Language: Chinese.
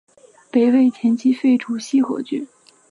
北魏前期废除西河郡。